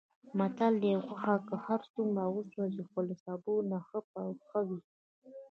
متل دی: غوښه که هرڅومره وسوځي، خو له سابو نه ښه وي.